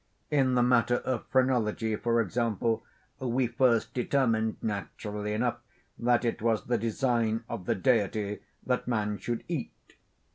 In the matter of phrenology, for example, we first determined, naturally enough, that it was the design of the Deity that man should eat.